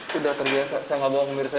sudah terbiasa saya tidak bau mirza